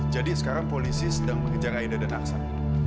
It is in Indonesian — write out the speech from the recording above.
jadi sekarang polisi sedang mengejar aida dan aksan